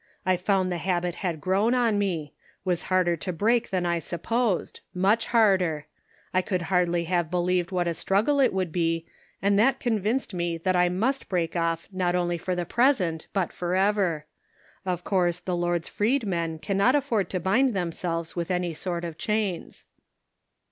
I found the habit had grown on me — was harder to break than I supposed, much harder ; I could hardly have believed what a struggle it would be, and that convinced me that I must break off not 830 The Pocket Measure. only for the present but forever ; of course, the Lord's freedmen can not afford to bind themselves with any sort of chains."